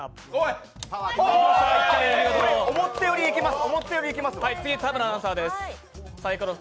これ、思ったよりいきます。